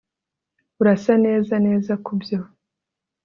Urasa neza neza kubyo